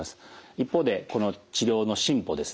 一方でこの治療の進歩ですね